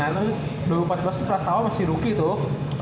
nah itu dua ribu empat belas itu prasatawa masih rookie tuh